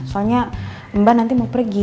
soalnya mbak nanti mau pergi